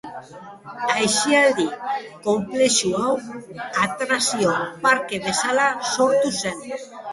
Aisialdi konplexu hau, atrakzio parke bezala sortu zen.